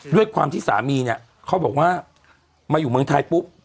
ด้วยความที่สามีเนี่ยเขาบอกว่ามาอยู่เมืองไทยปุ๊บ